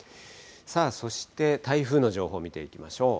そして、台風の情報を見ていきましょう。